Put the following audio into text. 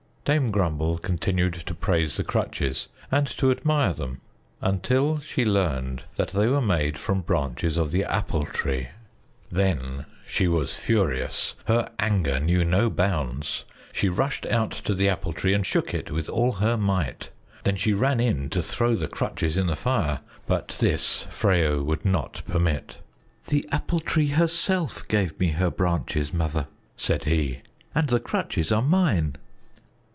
Dame Grumble continued to praise the crutches and to admire them until she learned that they were made from branches of the Apple Tree. Then she was furious; her anger knew no bounds. She rushed out to the Apple Tree and shook it with all her might. Then she ran in to throw the crutches in the fire, but this Freyo would not permit. "The Apple Tree herself gave me her branches, Mother," said he, "and the crutches are mine."